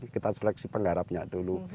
kita seleksi pengharapnya dulu